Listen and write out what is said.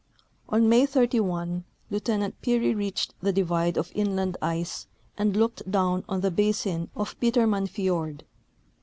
On Ma}^ 31 Lieutenant Peary reached the divide of inland ice and looked down on the basin of Peteruiann fiord.